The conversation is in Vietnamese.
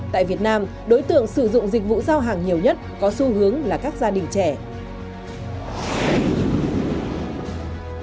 tại việt nam đối tượng sử dụng dịch vụ giao hàng nhiều nhất có xu hướng là các gia đình trẻ